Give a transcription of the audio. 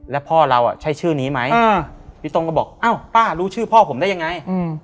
แล้วพ่อเราใช้ชื่อนี้ไหมพี่ต้งก็บอกอ้าวป้ารู้ชื่อพ่อผมได้ยังไง